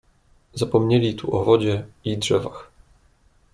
"Zapomnieli tu o wodzie i drzewach."